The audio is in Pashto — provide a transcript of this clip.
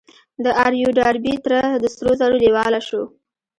د آر يو ډاربي تره د سرو زرو لېواله شو.